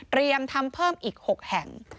เตรียมทำเพิ่มอีก๖แห่ง